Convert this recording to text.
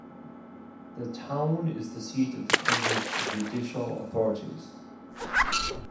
The town is the seat of the canton's judicial authorities.